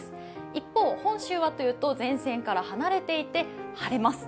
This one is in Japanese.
一方、本州はというと、前線から離れていて晴れます。